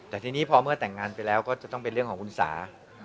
แต่ทีนี้พอเมื่อแต่งงานไปแล้วก็จะต้องเป็นเรื่องของคุณสา